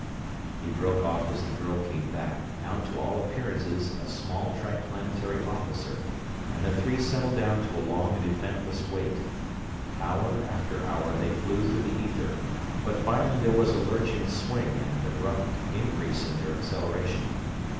He broke off as the girl came back, now to all appearances a small Triplanetary officer, and the three settled down to a long and eventless wait. Hour after hour they flew through the ether, but finally there was a lurching swing and an abrupt increase in their acceleration.